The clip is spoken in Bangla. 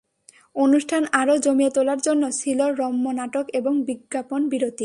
অনুষ্ঠান আরও জমিয়ে তোলার জন্য ছিল রম্য নাটক এবং বিজ্ঞাপন বিরতি।